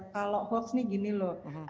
kalau hoax nih gini loh